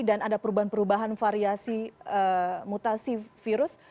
dan ada perubahan perubahan variasi mutasi virus